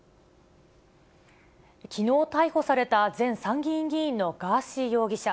きのう逮捕された、前参議院議員のガーシー容疑者。